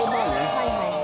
はいはい。